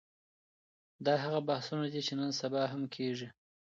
دا هغه بحثونه دي چي نن سبا هم کېږي.